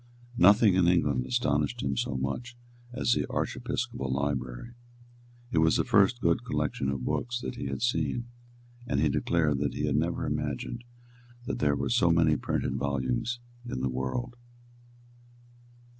Nothing in England astonished him so much as the Archiepiscopal library. It was the first good collection of books that he had seen; and he declared that he had never imagined that there were so many printed volumes in the world.